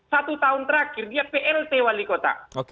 satu tahun terakhir dia plt wali kota